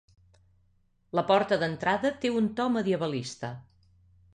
La porta d'entrada té un to medievalista.